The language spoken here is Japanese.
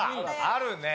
あるね。